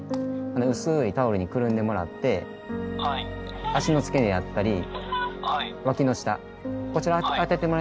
薄いタオルにくるんでもらって足の付け根やったり脇の下こちらに当ててもらえます？